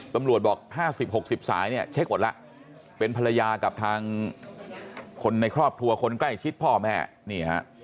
ตำรวจบอก๕๐๖๐สายเนี่ยเช็คหมดแล้วเป็นภรรยากับทางคนในครอบครัวคนใกล้ชิดพ่อแม่นี่ฮะ